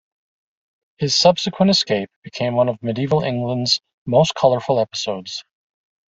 His subsequent escape became one of medieval England's most colourful episodes.